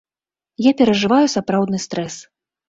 Я перажываю сапраўдны стрэс.